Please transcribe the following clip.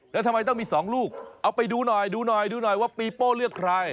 แล้วทำไมต้องมี๒ลูกเอาไปดูหน่อยดูหน่อยดูหน่อยว่าปีโป้เลือกใคร